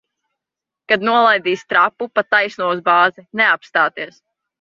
Kad nolaidīs trapu, pa taisno uz bāzi. Neapstāties!